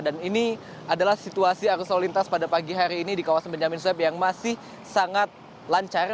dan ini adalah situasi arus solintas pada pagi hari ini di kawasan benyamin suep yang masih sangat lancar